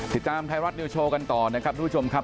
ติดตามไทยรัฐนิวโชว์กันต่อนะครับทุกผู้ชมครับ